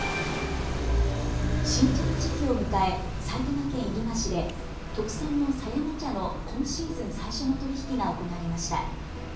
新茶の時期を迎え埼玉県入間市で特産の狭山茶の今シーズン最初の取り引きが行われました。